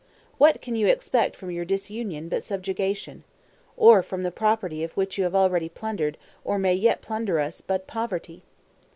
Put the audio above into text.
What can you expect from your disunion but subjugation? or from the property of which you already have plundered, or may yet plunder us, but poverty?